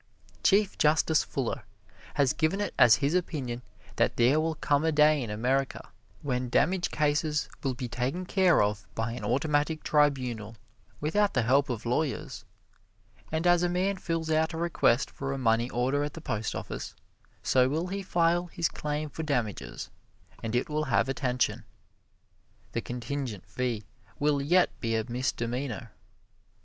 Chief Justice Fuller has given it as his opinion that there will come a day in America when damage cases will be taken care of by an automatic tribunal, without the help of lawyers. And as a man fills out a request for a money order at the Post Office, so will he file his claim for damages, and it will have attention. The contingent fee will yet be a misdemeanor.